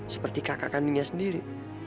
seperti kakak kandinya sendiri